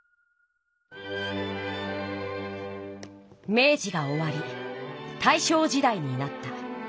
明治がおわり大正時代になった。